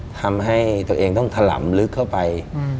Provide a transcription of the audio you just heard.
ทำให้ตัวเองต้องถล่ำลึกเข้าไป